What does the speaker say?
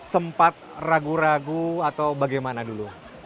sempat ragu ragu atau bagaimana dulu